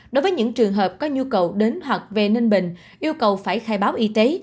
đối với những trường hợp có nhu cầu đến hoặc về ninh bình yêu cầu phải khai báo y tế